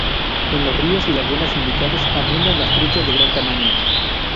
En los ríos y lagunas indicados abundan las truchas de gran tamaño.